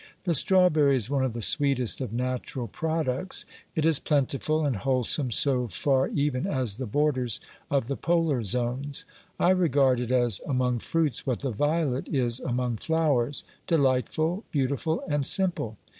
The strawberry is one of the sweetest of natural products. It is plentiful and wholesome so far even as the borders of the polar zones. I regard it as among fruits what the violet is among flowers — delightful, beautiful and simple.